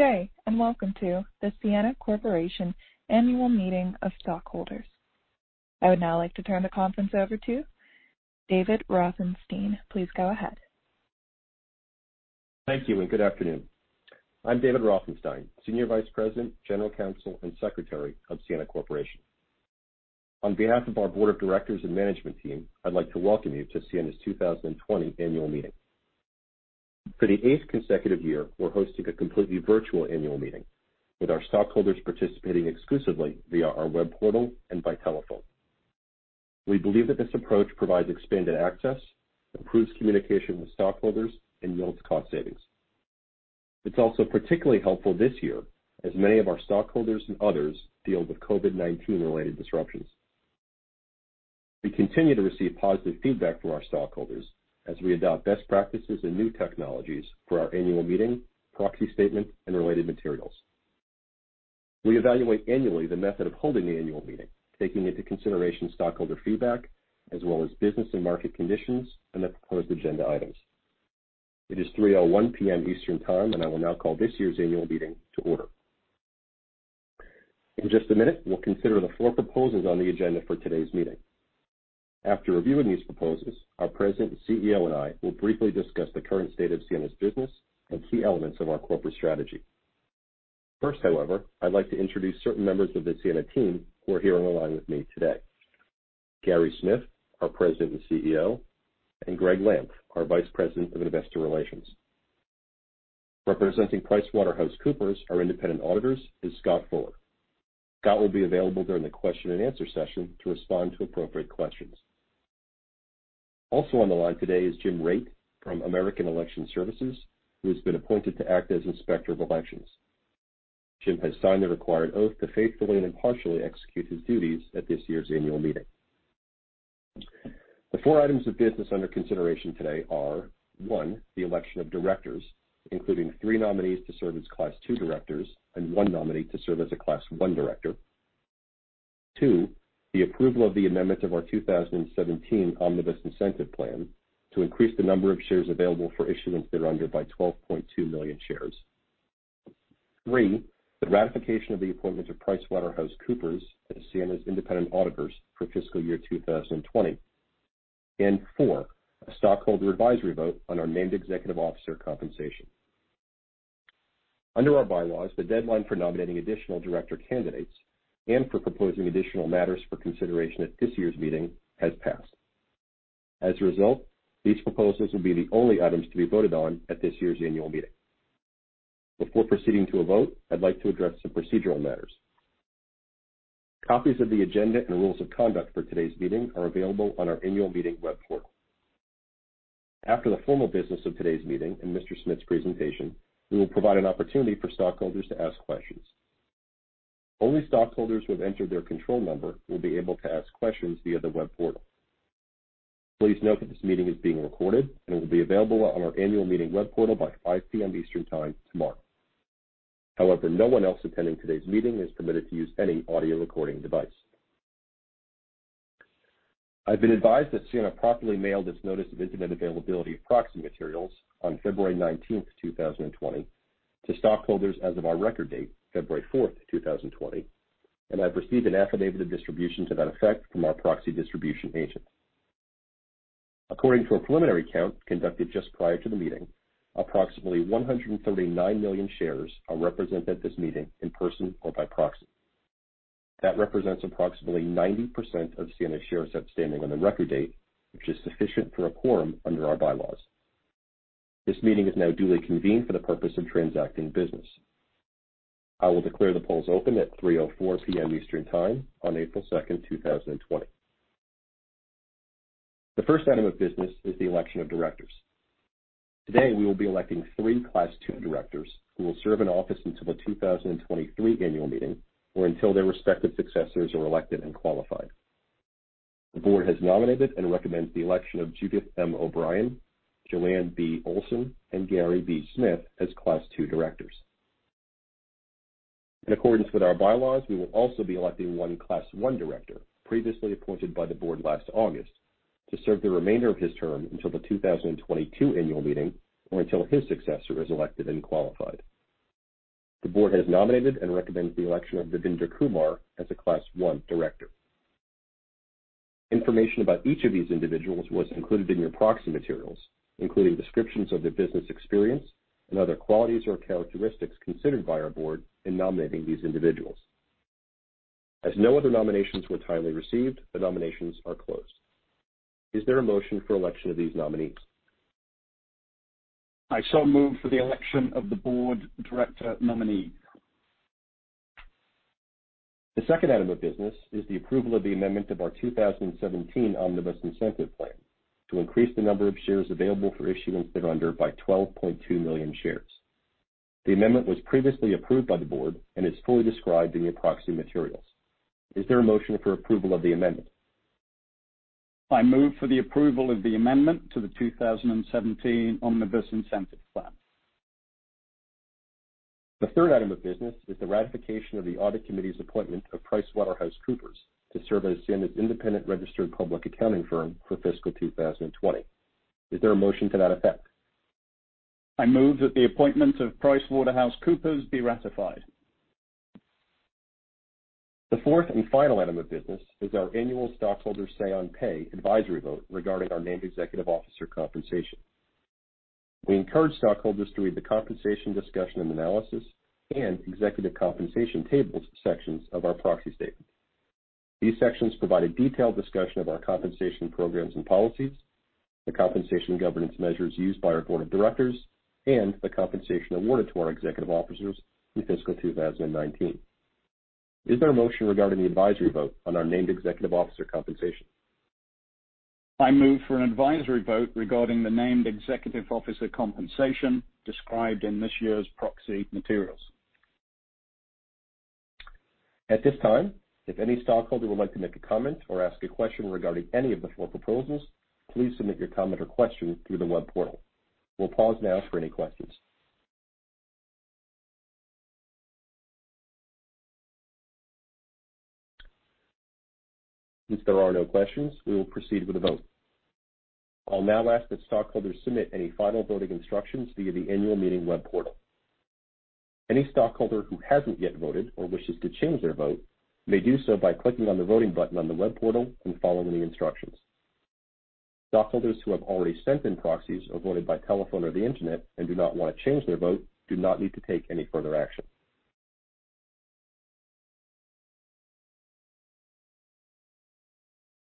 Good day and welcome to the Ciena Corporation Annual Meeting of Stockholders. I would now like to turn the conference over to David Rothenstein. Please go ahead. Thank you and good afternoon. I'm David Rothenstein, Senior Vice President, General Counsel, and Secretary of Ciena Corporation. On behalf of our board of directors and management team, I'd like to welcome you to Ciena's 2020 Annual Meeting. For the eighth consecutive year, we're hosting a completely virtual annual meeting, with our stockholders participating exclusively via our web portal and by telephone. We believe that this approach provides expanded access, improves communication with stockholders, and yields cost savings. It's also particularly helpful this year, as many of our stockholders and others deal with COVID-19-related disruptions. We continue to receive positive feedback from our stockholders as we adopt best practices and new technologies for our annual meeting, proxy statement, and related materials. We evaluate annually the method of holding the annual meeting, taking into consideration stockholder feedback, as well as business and market conditions, and the proposed agenda items. It is 3:01 P.M. Eastern Time, and I will now call this year's annual meeting to order. In just a minute, we'll consider the four proposals on the agenda for today's meeting. After reviewing these proposals, our President and CEO and I will briefly discuss the current state of Ciena's business and key elements of our corporate strategy. First, however, I'd like to introduce certain members of the Ciena team who are here on the line with me today: Gary Smith, our President and CEO, and Gregg Lampf, our Vice President of Investor Relations. Representing PricewaterhouseCoopers, our independent auditors, is Scott Thorp. Scott will be available during the question-and-answer session to respond to appropriate questions. Also on the line today is Jim Raitt from American Election Services, who has been appointed to act as Inspector of Elections. Jim has signed the required oath to faithfully and impartially execute his duties at this year's annual meeting. The four items of business under consideration today are: one, the election of directors, including three nominees to serve as Class II directors and one nominee to serve as a Class I director. Two, the approval of the amendment of our 2017 Omnibus Incentive Plan to increase the number of shares available for issuance thereunder by 12.2 million shares. Three, the ratification of the appointment of PricewaterhouseCoopers as Ciena's independent auditors for fiscal year 2020. And four, a stockholder advisory vote on our named executive officer compensation. Under our bylaws, the deadline for nominating additional director candidates and for proposing additional matters for consideration at this year's meeting has passed. As a result, these proposals will be the only items to be voted on at this year's annual meeting. Before proceeding to a vote, I'd like to address some procedural matters. Copies of the agenda and rules of conduct for today's meeting are available on our annual meeting web portal. After the formal business of today's meeting and Mr. Smith's presentation, we will provide an opportunity for stockholders to ask questions. Only stockholders who have entered their control number will be able to ask questions via the web portal. Please note that this meeting is being recorded and will be available on our annual meeting web portal by 5:00 P.M. Eastern Time tomorrow. However, no one else attending today's meeting is permitted to use any audio recording device. I've been advised that Ciena properly mailed its Notice of Internet Availability of Proxy Materials on February 19, 2020, to stockholders as of our record date, February 4, 2020, and I've received an affidavit of distribution to that effect from our proxy distribution agent. According to a preliminary count conducted just prior to the meeting, approximately 139 million shares are represented at this meeting in person or by proxy. That represents approximately 90% of Ciena's shares outstanding on the record date, which is sufficient for a quorum under our bylaws. This meeting is now duly convened for the purpose of transacting business. I will declare the polls open at 3:04 P.M. Eastern Time on April 2, 2020. The first item of business is the election of directors. Today, we will be electing three Class II directors who will serve in office until the 2023 annual meeting or until their respective successors are elected and qualified. The board has nominated and recommends the election of Judith M. O'Brien, Joanne B. Olsen, and Gary B. Smith as Class II directors. In accordance with our bylaws, we will also be electing one Class I director, previously appointed by the board last August, to serve the remainder of his term until the 2022 annual meeting or until his successor is elected and qualified. The board has nominated and recommends the election of Devinder Kumar as a Class I director. Information about each of these individuals was included in your proxy materials, including descriptions of their business experience and other qualities or characteristics considered by our board in nominating these individuals. As no other nominations were timely received, the nominations are closed. Is there a motion for election of these nominees? I so move for the election of the board director nominee. The second item of business is the approval of the amendment of our 2017 Omnibus Incentive Plan to increase the number of shares available for issuance thereunder by 12.2 million shares. The amendment was previously approved by the board and is fully described in your proxy materials. Is there a motion for approval of the amendment? I move for the approval of the amendment to the 2017 Omnibus Incentive Plan. The third item of business is the ratification of the audit committee's appointment of PricewaterhouseCoopers to serve as Ciena's independent registered public accounting firm for fiscal 2020. Is there a motion to that effect? I move that the appointment of PricewaterhouseCoopers be ratified. The fourth and final item of business is our annual stockholder Say-on-Pay advisory vote regarding our named executive officer compensation. We encourage stockholders to read the Compensation Discussion and Analysis and Executive Compensation Tables sections of our proxy statement. These sections provide a detailed discussion of our compensation programs and policies, the compensation governance measures used by our board of directors, and the compensation awarded to our executive officers in fiscal 2019. Is there a motion regarding the advisory vote on our named executive officer compensation? I move for an advisory vote regarding the named executive officer compensation described in this year's proxy materials. At this time, if any stockholder would like to make a comment or ask a question regarding any of the four proposals, please submit your comment or question through the web portal. We'll pause now for any questions. Since there are no questions, we will proceed with a vote. I'll now ask that stockholders submit any final voting instructions via the annual meeting web portal. Any stockholder who hasn't yet voted or wishes to change their vote may do so by clicking on the voting button on the web portal and following the instructions. Stockholders who have already sent in proxies or voted by telephone or the internet and do not want to change their vote do not need to take any further action.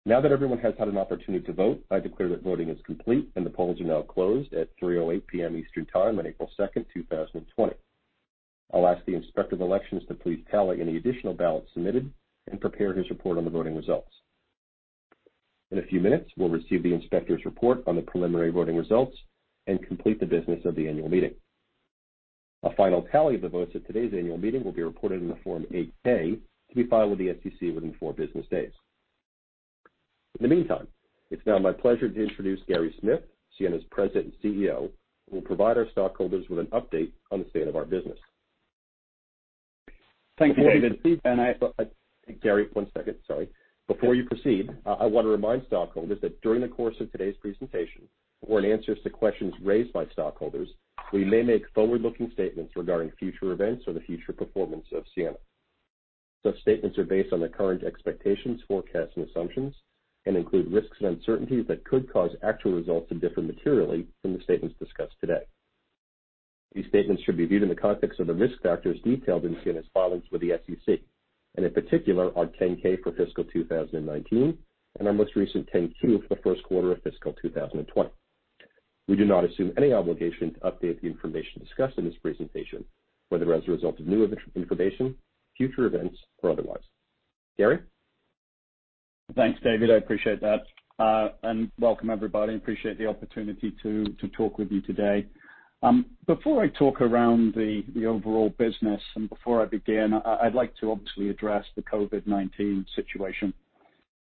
Now that everyone has had an opportunity to vote, I declare that voting is complete and the polls are now closed at 3:08 P.M. Eastern Time on April 2, 2020. I'll ask the Inspector of Elections to please tally any additional ballots submitted and prepare his report on the voting results. In a few minutes, we'll receive the inspector's report on the preliminary voting results and complete the business of the annual meeting. A final tally of the votes at today's annual meeting will be reported in the Form 8-K to be filed with the SEC within four business days. In the meantime, it's now my pleasure to introduce Gary Smith, Ciena's President and CEO, who will provide our stockholders with an update on the state of our business. Thank you, David. David, Gary, one second, sorry. Before you proceed, I want to remind stockholders that during the course of today's presentation or in answers to questions raised by stockholders, we may make forward-looking statements regarding future events or the future performance of Ciena. Those statements are based on the current expectations, forecasts, and assumptions and include risks and uncertainties that could cause actual results to differ materially from the statements discussed today. These statements should be viewed in the context of the risk factors detailed in Ciena's filings with the SEC, and in particular, our 10-K for fiscal 2019 and our most recent 10-Q for the first quarter of fiscal 2020. We do not assume any obligation to update the information discussed in this presentation, whether as a result of new information, future events, or otherwise. Gary? Thanks, David. I appreciate that and welcome, everybody. I appreciate the opportunity to talk with you today. Before I talk around the overall business and before I begin, I'd like to obviously address the COVID-19 situation.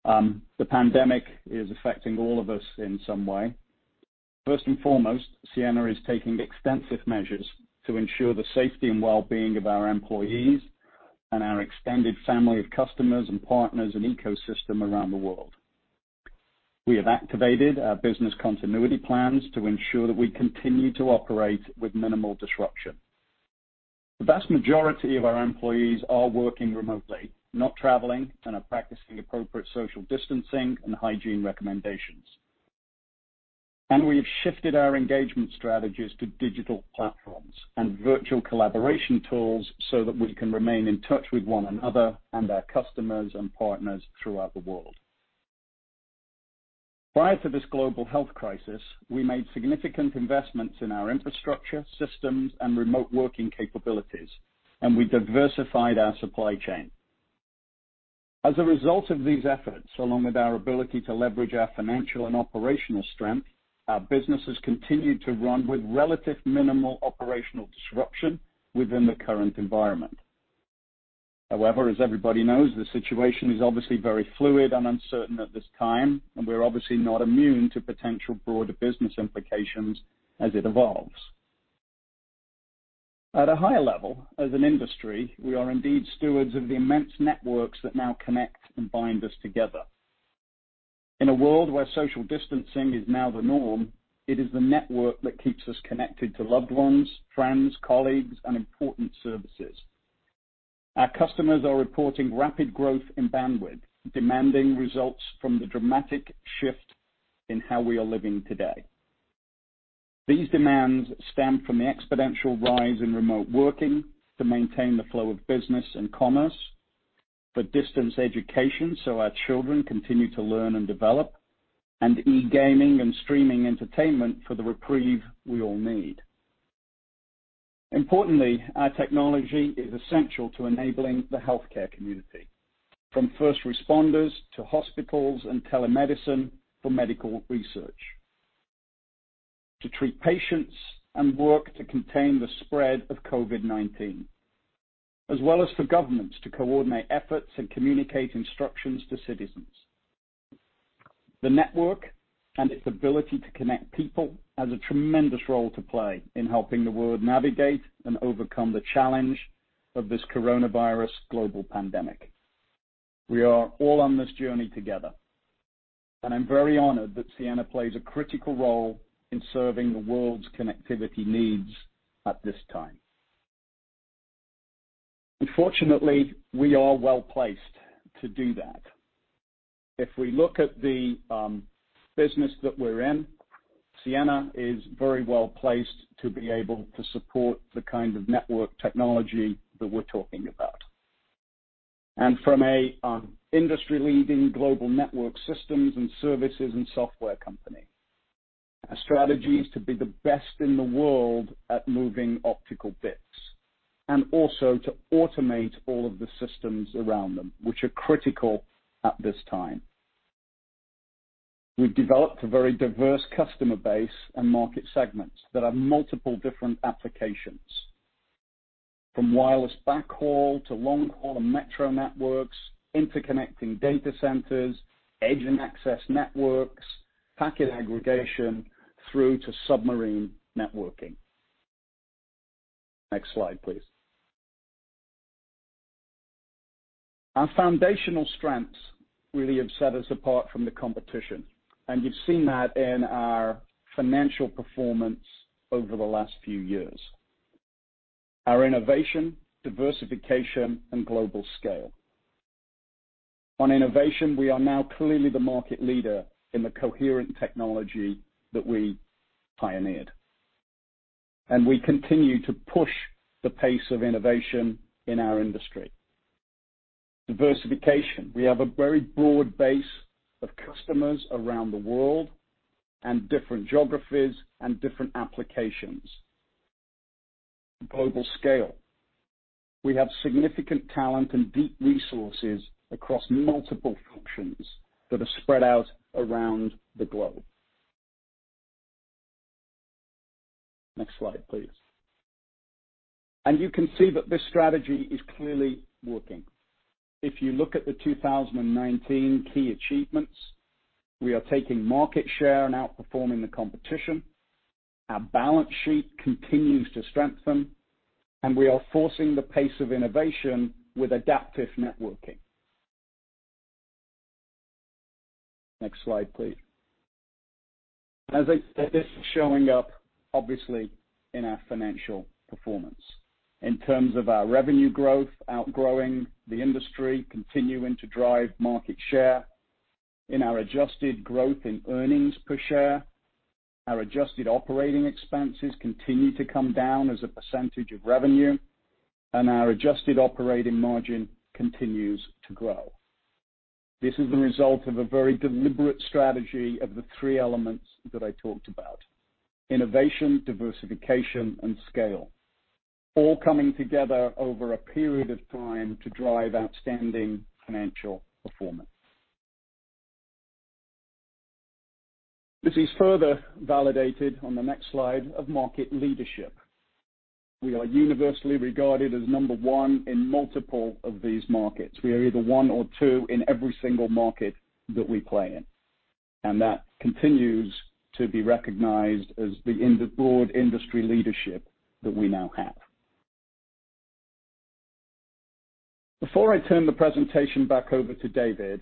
The pandemic is affecting all of us in some way. First and foremost, Ciena is taking extensive measures to ensure the safety and well-being of our employees and our extended family of customers and partners and ecosystem around the world. We have activated our business continuity plans to ensure that we continue to operate with minimal disruption. The vast majority of our employees are working remotely, not traveling, and are practicing appropriate social distancing and hygiene recommendations and we have shifted our engagement strategies to digital platforms and virtual collaboration tools so that we can remain in touch with one another and our customers and partners throughout the world. Prior to this global health crisis, we made significant investments in our infrastructure, systems, and remote working capabilities, and we diversified our supply chain. As a result of these efforts, along with our ability to leverage our financial and operational strength, our business has continued to run with relative minimal operational disruption within the current environment. However, as everybody knows, the situation is obviously very fluid and uncertain at this time, and we're obviously not immune to potential broader business implications as it evolves. At a higher level, as an industry, we are indeed stewards of the immense networks that now connect and bind us together. In a world where social distancing is now the norm, it is the network that keeps us connected to loved ones, friends, colleagues, and important services. Our customers are reporting rapid growth in bandwidth, demanding results from the dramatic shift in how we are living today. These demands stem from the exponential rise in remote working to maintain the flow of business and commerce, for distance education so our children continue to learn and develop, and e-gaming and streaming entertainment for the reprieve we all need. Importantly, our technology is essential to enabling the healthcare community, from first responders to hospitals and telemedicine for medical research, to treat patients and work to contain the spread of COVID-19, as well as for governments to coordinate efforts and communicate instructions to citizens. The network and its ability to connect people has a tremendous role to play in helping the world navigate and overcome the challenge of this coronavirus global pandemic. We are all on this journey together, and I'm very honored that Ciena plays a critical role in serving the world's connectivity needs at this time. Unfortunately, we are well placed to do that. If we look at the business that we're in, Ciena is very well placed to be able to support the kind of network technology that we're talking about. And from an industry-leading global network systems and services and software company, our strategy is to be the best in the world at moving optical bits and also to automate all of the systems around them, which are critical at this time. We've developed a very diverse customer base and market segments that have multiple different applications, from wireless backhaul to long-haul and metro networks, interconnecting data centers, edge and access networks, packet aggregation, through to submarine networking. Next slide, please. Our foundational strengths really have set us apart from the competition, and you've seen that in our financial performance over the last few years, our innovation, diversification, and global scale. On innovation, we are now clearly the market leader in the coherent technology that we pioneered, and we continue to push the pace of innovation in our industry. Diversification: we have a very broad base of customers around the world and different geographies and different applications. Global scale: we have significant talent and deep resources across multiple functions that are spread out around the globe. Next slide, please, and you can see that this strategy is clearly working. If you look at the 2019 key achievements, we are taking market share and outperforming the competition. Our balance sheet continues to strengthen, and we are forcing the pace of innovation with adaptive networking. Next slide, please. As I said, this is showing up obviously in our financial performance. In terms of our revenue growth, outgrowing the industry, continuing to drive market share. In our adjusted growth in earnings per share, our adjusted operating expenses continue to come down as a percentage of revenue, and our adjusted operating margin continues to grow. This is the result of a very deliberate strategy of the three elements that I talked about: innovation, diversification, and scale, all coming together over a period of time to drive outstanding financial performance. This is further validated on the next slide of market leadership. We are universally regarded as number one in multiple of these markets. We are either one or two in every single market that we play in, and that continues to be recognized as the broad industry leadership that we now have. Before I turn the presentation back over to David,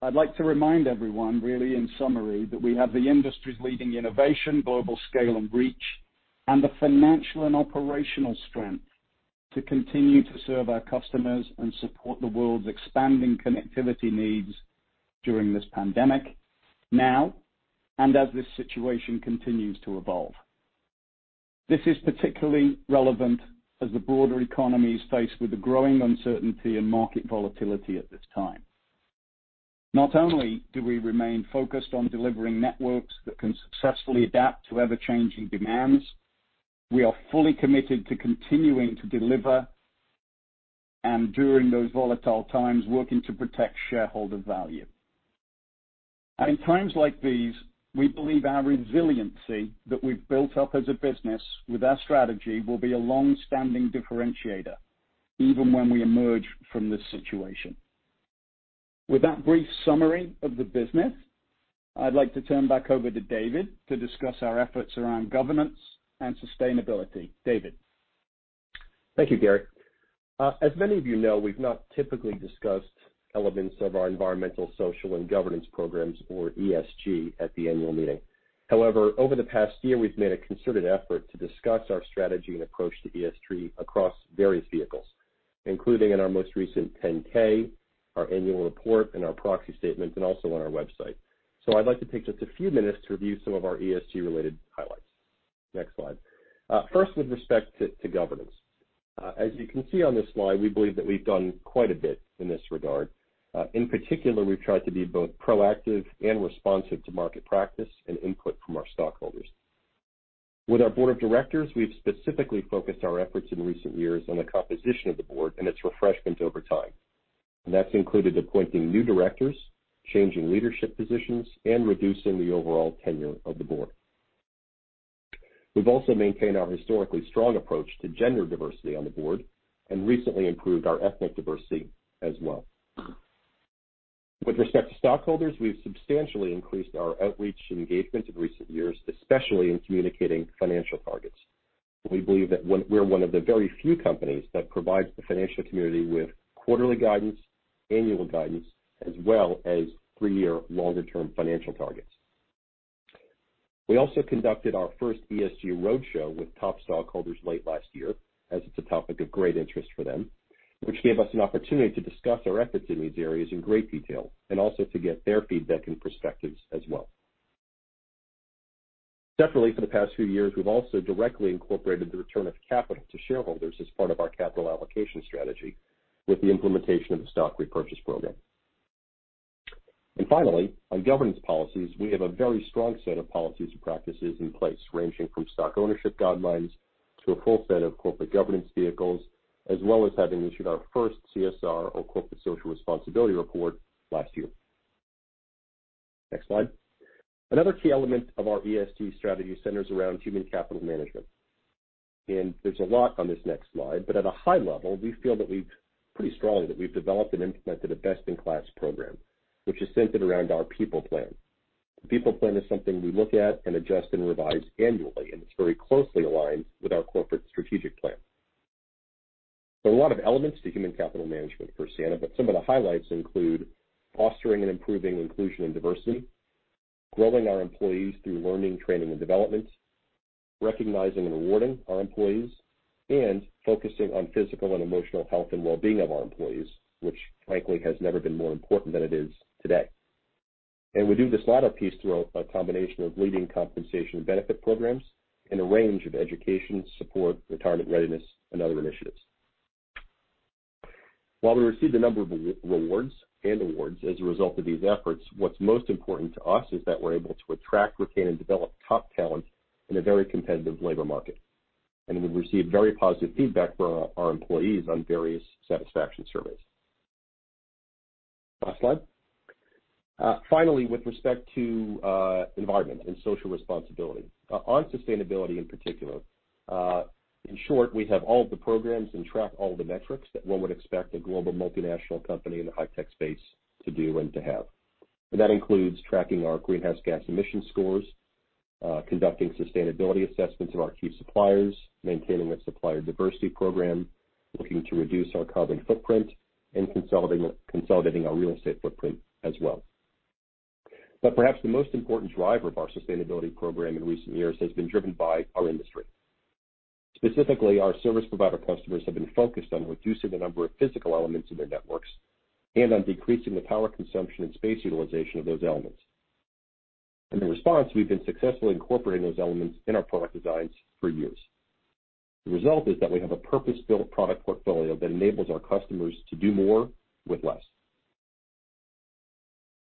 I'd like to remind everyone, really, in summary, that we have the industry's leading innovation, global scale, and reach, and the financial and operational strength to continue to serve our customers and support the world's expanding connectivity needs during this pandemic now and as this situation continues to evolve. This is particularly relevant as the broader economy is faced with the growing uncertainty and market volatility at this time. Not only do we remain focused on delivering networks that can successfully adapt to ever-changing demands, we are fully committed to continuing to deliver and, during those volatile times, working to protect shareholder value, and in times like these, we believe our resiliency that we've built up as a business with our strategy will be a long-standing differentiator even when we emerge from this situation. With that brief summary of the business, I'd like to turn back over to David to discuss our efforts around governance and sustainability. David. Thank you, Gary. As many of you know, we've not typically discussed elements of our environmental, social, and governance programs, or ESG, at the annual meeting. However, over the past year, we've made a concerted effort to discuss our strategy and approach to ESG across various vehicles, including in our most recent 10-K, our annual report, and our proxy statement, and also on our website. So I'd like to take just a few minutes to review some of our ESG-related highlights. Next slide. First, with respect to governance. As you can see on this slide, we believe that we've done quite a bit in this regard. In particular, we've tried to be both proactive and responsive to market practice and input from our stockholders. With our board of directors, we've specifically focused our efforts in recent years on the composition of the board and its refreshment over time. That's included appointing new directors, changing leadership positions, and reducing the overall tenure of the board. We've also maintained our historically strong approach to gender diversity on the board and recently improved our ethnic diversity as well. With respect to stockholders, we've substantially increased our outreach engagement in recent years, especially in communicating financial targets. We believe that we're one of the very few companies that provides the financial community with quarterly guidance, annual guidance, as well as three-year longer-term financial targets. We also conducted our first ESG roadshow with top stockholders late last year, as it's a topic of great interest for them, which gave us an opportunity to discuss our efforts in these areas in great detail and also to get their feedback and perspectives as well. Separately, for the past few years, we've also directly incorporated the return of capital to shareholders as part of our capital allocation strategy with the implementation of the stock repurchase program, and finally, on governance policies, we have a very strong set of policies and practices in place, ranging from stock ownership guidelines to a full set of corporate governance vehicles, as well as having issued our first CSR, or corporate social responsibility report, last year. Next slide. Another key element of our ESG strategy centers around human capital management, and there's a lot on this next slide, but at a high level, we feel pretty strongly that we've developed and implemented a best-in-class program, which is centered around our People Plan. The People Plan is something we look at and adjust and revise annually, and it's very closely aligned with our corporate strategic plan. There are a lot of elements to human capital management for Ciena, but some of the highlights include fostering and improving inclusion and diversity, growing our employees through learning, training, and development, recognizing and rewarding our employees, and focusing on physical and emotional health and well-being of our employees, which, frankly, has never been more important than it is today. And we do this latter piece through a combination of leading compensation and benefit programs and a range of education, support, retirement readiness, and other initiatives. While we receive a number of rewards and awards as a result of these efforts, what's most important to us is that we're able to attract, retain, and develop top talent in a very competitive labor market. And we've received very positive feedback from our employees on various satisfaction surveys. Last slide. Finally, with respect to environmental and social responsibility, on sustainability in particular, in short, we have all of the programs and track all of the metrics that one would expect a global multinational company in the high-tech space to do and to have. And that includes tracking our greenhouse gas emissions scores, conducting sustainability assessments of our key suppliers, maintaining a supplier diversity program, looking to reduce our carbon footprint, and consolidating our real estate footprint as well. But perhaps the most important driver of our sustainability program in recent years has been driven by our industry. Specifically, our service provider customers have been focused on reducing the number of physical elements in their networks and on decreasing the power consumption and space utilization of those elements. And in response, we've been successfully incorporating those elements in our product designs for years. The result is that we have a purpose-built product portfolio that enables our customers to do more with less.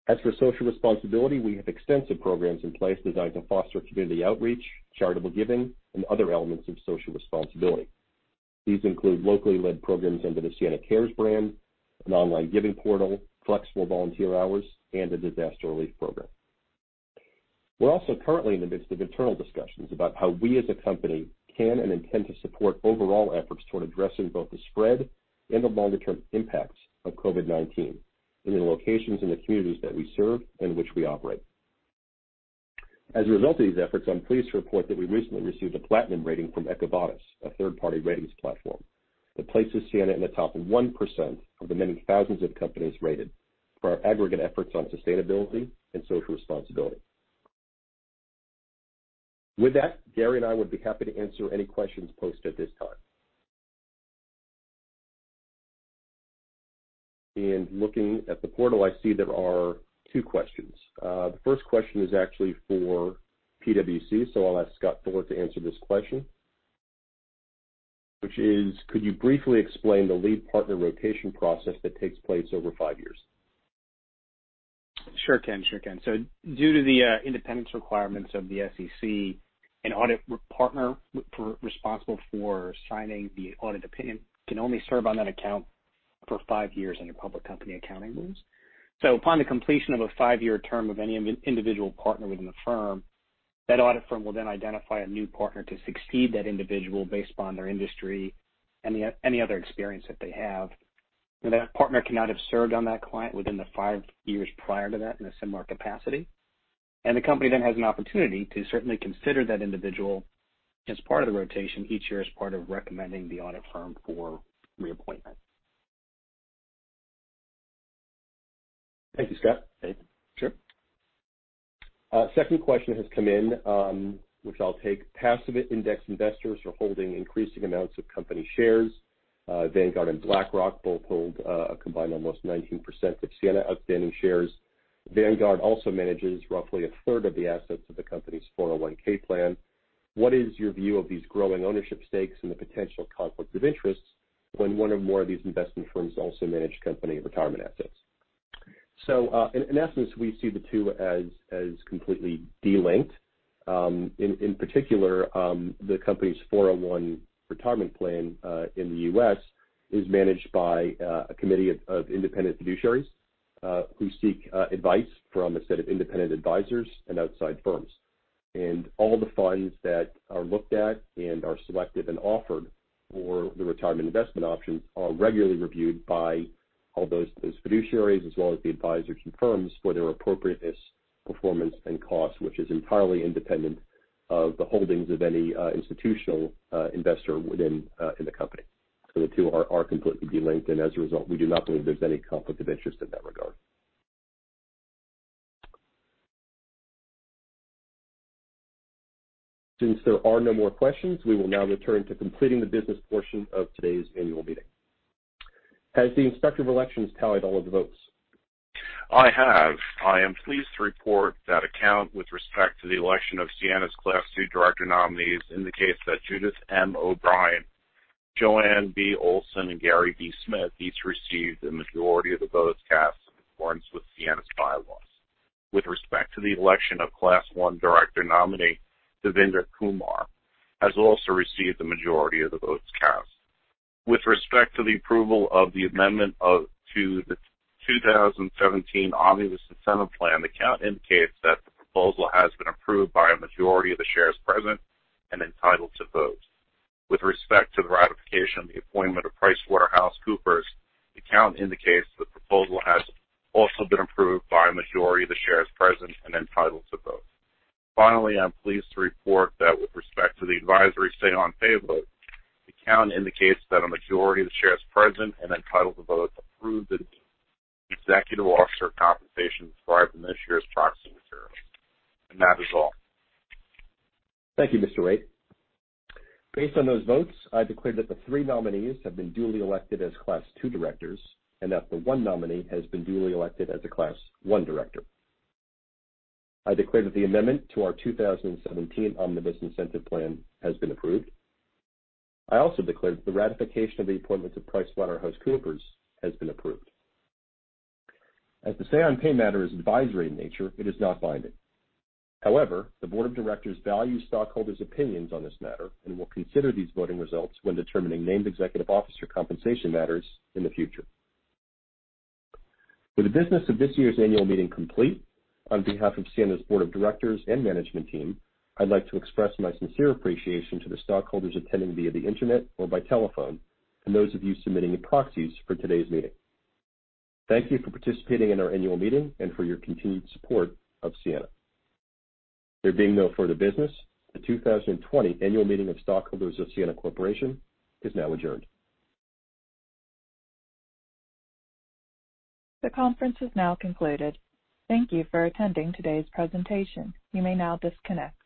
As for social responsibility, we have extensive programs in place designed to foster community outreach, charitable giving, and other elements of social responsibility. These include locally led programs under the Ciena Cares brand, an online giving portal, flexible volunteer hours, and a disaster relief program. We're also currently in the midst of internal discussions about how we as a company can and intend to support overall efforts toward addressing both the spread and the longer-term impacts of COVID-19 in the locations and the communities that we serve and which we operate. As a result of these efforts, I'm pleased to report that we recently received a platinum rating from EcoVadis, a third-party ratings platform that places Ciena in the top 1% of the many thousands of companies rated for our aggregate efforts on sustainability and social responsibility. With that, Gary and I would be happy to answer any questions posted at this time. And looking at the portal, I see there are two questions. The first question is actually for PwC, so I'll ask Scott Thorp to answer this question, which is, "Could you briefly explain the lead partner rotation process that takes place over five years? Sure can, sure can. So due to the independence requirements of the SEC, an audit partner responsible for signing the audit opinion can only serve on that account for five years under public company accounting rules. So upon the completion of a five-year term of any individual partner within the firm, that audit firm will then identify a new partner to succeed that individual based upon their industry and any other experience that they have. And that partner cannot have served on that client within the five years prior to that in a similar capacity. And the company then has an opportunity to certainly consider that individual as part of the rotation each year as part of recommending the audit firm for reappointment. Thank you, Scott. Dave? Sure. Second question has come in, which I'll take. Passive index investors are holding increasing amounts of company shares. Vanguard and BlackRock both hold a combined almost 19% of Ciena outstanding shares. Vanguard also manages roughly a third of the assets of the company's 401(k) plan. What is your view of these growing ownership stakes and the potential conflicts of interest when one or more of these investment firms also manage company retirement assets? So in essence, we see the two as completely de-linked. In particular, the company's 401(k) retirement plan in the U.S. is managed by a committee of independent fiduciaries who seek advice from a set of independent advisors and outside firms. All the funds that are looked at and are selected and offered for the retirement investment options are regularly reviewed by all those fiduciaries as well as the advisors and firms for their appropriateness, performance, and cost, which is entirely independent of the holdings of any institutional investor within the company. The two are completely de-linked, and as a result, we do not believe there's any conflict of interest in that regard. Since there are no more questions, we will now return to completing the business portion of today's annual meeting. Has the inspector of elections tallied all of the votes? I have. I am pleased to report the count with respect to the election of Ciena's Class II director nominees, namely that Judith M. O'Brien, Joanne B. Olsen, and Gary B. Smith each received the majority of the votes cast in accordance with Ciena's bylaws. With respect to the election of Class I director nominee, Devinder Kumar has also received the majority of the votes cast. With respect to the approval of the amendment to the 2017 Omnibus Incentive Plan, the count indicates that the proposal has been approved by a majority of the shares present and entitled to vote. With respect to the ratification of the appointment of PricewaterhouseCoopers, the count indicates the proposal has also been approved by a majority of the shares present and entitled to vote. Finally, I'm pleased to report that with respect to the advisory Say-on-Pay vote, the count indicates that a majority of the shares present and entitled to vote approved the executive officer compensation described in this year's proxy materials. And that is all. Thank you, Mr. Raitt. Based on those votes, I declare that the three nominees have been duly elected as Class II directors and that the one nominee has been duly elected as a Class I director. I declare that the amendment to our 2017 Omnibus Incentive Plan has been approved. I also declare that the ratification of the appointment of PricewaterhouseCoopers has been approved. As the Say-on-Pay matter is advisory in nature, it is not binding. However, the board of directors values stockholders' opinions on this matter and will consider these voting results when determining named executive officer compensation matters in the future. With the business of this year's annual meeting complete, on behalf of Ciena's board of directors and management team, I'd like to express my sincere appreciation to the stockholders attending via the internet or by telephone and those of you submitting your proxies for today's meeting. Thank you for participating in our annual meeting and for your continued support of Ciena. There being no further business, the 2020 annual meeting of stockholders of Ciena Corporation is now adjourned. The conference is now concluded. Thank you for attending today's presentation. You may now disconnect.